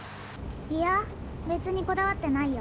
いやべつにこだわってないよ。